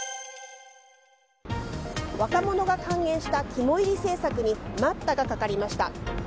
若者が歓迎した肝煎り政策に待ったがかかりました。